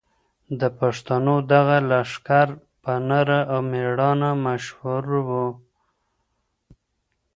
د پښتنو دغه لښکر په نره او مېړانه مشهور و.